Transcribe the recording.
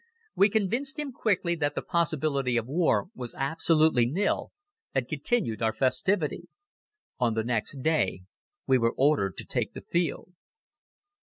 We convinced him quickly that the possibility of war was absolutely nil and continued our festivity. On the next day we were ordered to take the field.